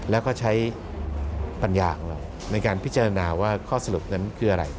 แล้วก็ใช้ปัญญาของเราในการพิจารณาว่าข้อสรุปนั้นคืออะไร